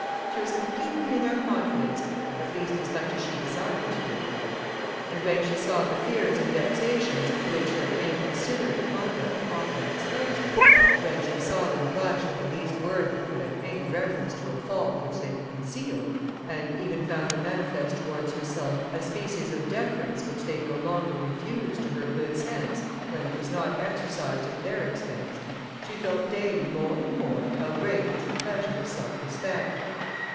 She was completely in their confidence, at least as much as she desired to be; and when she saw the fears and vexations to which their inconsiderate conduct often exposed them, when she saw them blush at the least word that could have any reference to a fault which they had concealed, and even found them manifest towards herself a species of deference which they no longer refused to her good sense, when it was not exercised at their expense, she felt daily more and more, how great is the pleasure of self respect.